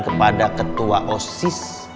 kepada ketua osis